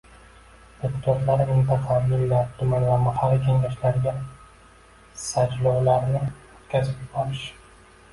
deputatlari mintaqa, millat, tuman va Mahalliy kengashlariga sajlovlarni o'tkazib yuborish